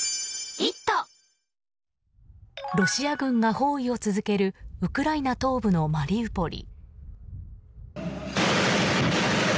ロシア軍が包囲を続けるウクライナ東部のマリウポリ。